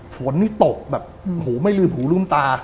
ฝนนี่ตกแบบโหไม่ลืมหูลืมตา